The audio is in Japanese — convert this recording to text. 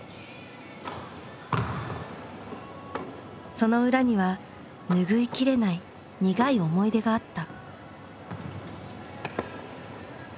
その裏には拭いきれない苦い思い出があった。